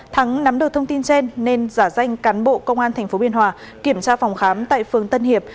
thắng nắm được thông tin trên nên giả danh cán bộ công an tp biên hòa kiểm tra phòng khám tại phường tân hiệp